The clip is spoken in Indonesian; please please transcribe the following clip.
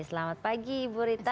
selamat pagi ibu rita